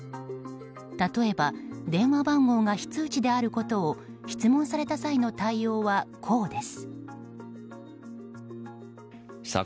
例えば電話番号が非通知であることを質問された際の対応はこうです。